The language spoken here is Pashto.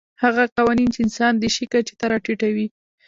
هغه قوانین چې انسان د شي کچې ته راټیټوي.